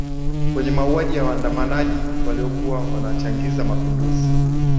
kwenye mauwaji ya waandamanaji waliokuwa wanachangiza mapinduzi